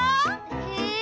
へえ！